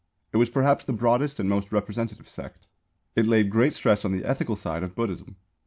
It was perhaps the broadest and most representative sect. It laid great stress on the ethical side of Buddhism.